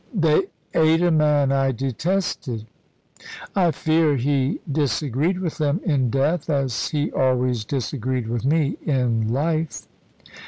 "They ate a man I detested. I fear he disagreed with them in death, as he always disagreed with me in life."